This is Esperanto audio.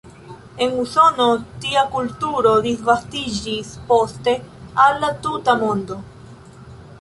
El Usono, tia kulturo disvastiĝis poste al la tuta mondo.